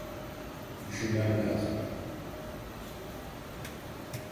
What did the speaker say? Düşünmem lazım.